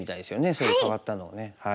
そういう変わったのをね。